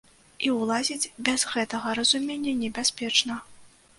І ўлазіць без гэтага разумення небяспечна.